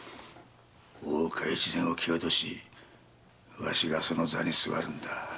大岡越前を蹴落としわしがその座に座るんだ！